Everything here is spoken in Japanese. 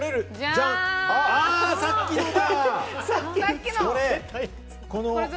さっきのだ！